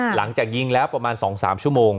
หลังจากยิงแล้วประมาณ๒๓ชั่วโมง